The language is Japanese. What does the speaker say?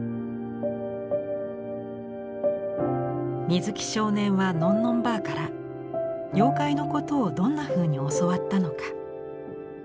水木少年はのんのんばあから妖怪のことをどんなふうに教わったのか。